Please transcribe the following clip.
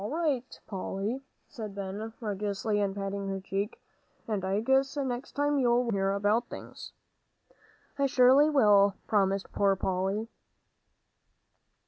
"All right, Polly," said Ben, reassuringly, and patting her cheek, "and I guess next time you'll wait and hear about things." "I surely will," promised poor Polly.